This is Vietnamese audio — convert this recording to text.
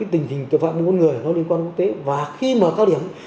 tình hình tội phạm mua bán người nó liên quan quốc tế và khi mà cao điểm